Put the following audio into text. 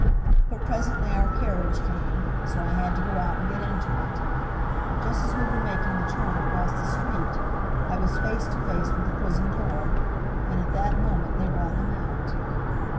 But presently our carriage came, so I had to go out and get into it. Just as we were making the turn across the street, I was face to face with the prison door, and at that moment they brought him out.